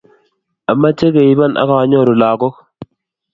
Ameche keibon akanyoru lagok